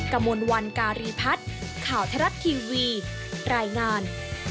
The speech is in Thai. กระมวลวันการีพัฒน์ข่าวทรัฐทีวีรายงาน